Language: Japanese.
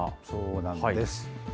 そうなんです。